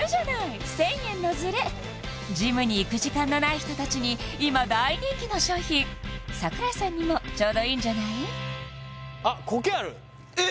１０００円のズレジムに行く時間のない人達に今大人気の商品櫻井さんにもちょうどいいんじゃない？えっ！？